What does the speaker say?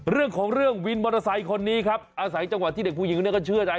เรื่องวินบริษัยคนนี้ครับอาศัยจังหวัดที่เด็กผู้หญิงเนี่ยก็เชื่อใจ